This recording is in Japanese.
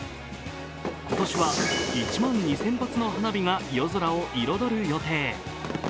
今年は１万２０００発の花火が夜空を彩る予定。